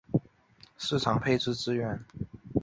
张鹤鸣人。